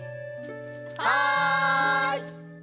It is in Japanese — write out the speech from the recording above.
はい！